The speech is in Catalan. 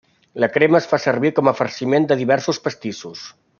La crema es fa servir com a farciment de diversos pastissos.